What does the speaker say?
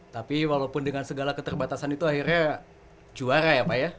tapi walaupun dengan segala keterbatasan itu akhirnya juara ya pak ya